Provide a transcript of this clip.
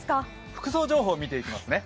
服装情報、見ていきますね。